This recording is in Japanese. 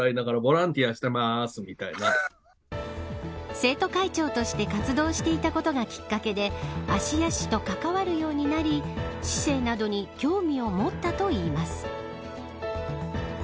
生徒会長として活動していたことがきっかけで芦屋市と関わるようになり市政などに興味を持ったといいます。